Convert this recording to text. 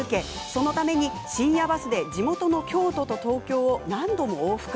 そのために深夜バスで地元の京都と東京を何度も往復。